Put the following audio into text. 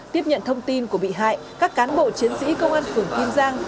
tiếp nhận thông tin của bị hại các cán bộ chiến sĩ công an phường kim giang